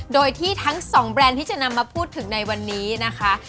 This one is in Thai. โดยที่ทั้งสองแบรนด์ที่จะนำมาพูดถึงในวันนี้นะคะ